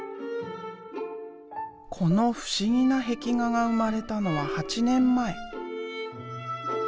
この不思議な壁画が生まれたのは８年前。